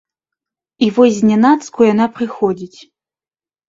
І вось знянацку яна прыходзіць.